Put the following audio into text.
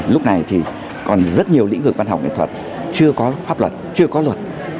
lúc này thì còn rất nhiều lĩnh vực văn học nghệ thuật chưa có pháp luật chưa có luật